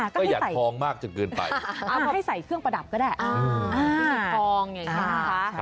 ก็อยากทองมากเกือบไปแล้วก็ให้ใส่เครื่องประดับก็ได้ครับ